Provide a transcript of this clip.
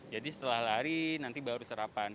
jadi setelah lari nanti baru sarapan